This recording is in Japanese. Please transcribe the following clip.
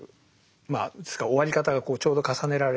まあですから終わり方がちょうど重ねられてるんですね。